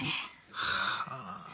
はあ。